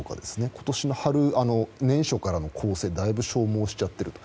今年の春、年初からの攻勢でだいぶ消耗しちゃっていると。